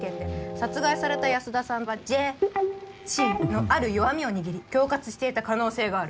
「殺害された安田さんはＪ．Ｃのある弱みを握り」「恐喝していた可能性がある」